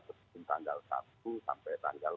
sebelum tanggal satu sampai tanggal